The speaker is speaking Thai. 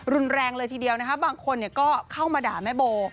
รุนแรงเลยทีเดียวนะคะบางคนก็เข้ามาด่าแม่โบ